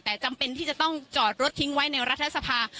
แต่จำเป็นที่จะต้องจอดรถทิ้งไว้ในรัฐสภา